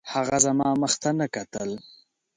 هغه زما مخ ته نه کتل